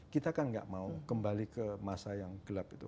kita kan nggak mau kembali ke masa yang gelap itu